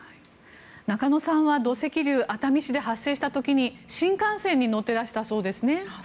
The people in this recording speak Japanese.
中野さんは土石流、熱海市で発生した時に新幹線に乗っていらしたそうですね。